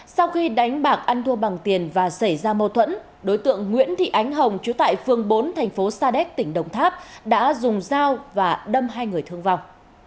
sau khi đánh bạc ăn thua bằng tiền và xảy ra mâu thuẫn đối tượng nguyễn thị ánh hồng chú tại phường bốn thành phố sa đéc tỉnh đồng tháp đã dùng dao và đâm hai người thương vong